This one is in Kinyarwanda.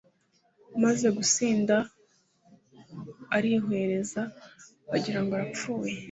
Amaze gusinda, arihwereza bagirango yapfuye